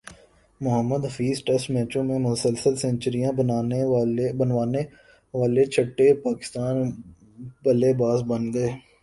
Mohammad Hafeez test میچوں میں مسلسل سنچریاںبنانیوالے چھٹے پاکستانی بلے باز بن گئے